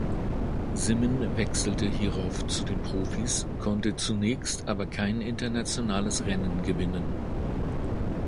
Simmen wechselte hierauf zu den Profis, konnte zunächst aber kein internationales Rennen gewinnen.